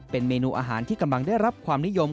เป็นเมนูอาหารที่กำลังได้รับความนิยม